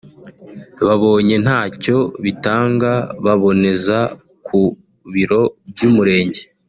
babonye ntacyo bitanga baboneza ku biro by’Umurenge